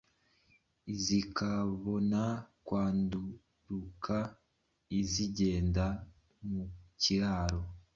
zikabona kwanduruka zigenda mukiraro